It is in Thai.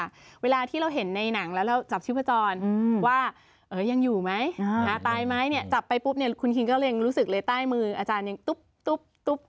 เวลาที่เราเห็นในหนังแล้วเราจับชีพจรว่ายังอยู่ไหมตายไหมเนี่ยจับไปปุ๊บเนี่ยคุณคิงก็เลยรู้สึกเลยใต้มืออาจารย์ยังตุ๊บตุ๊บ